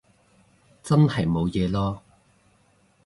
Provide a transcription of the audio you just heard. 真係冇嘢囉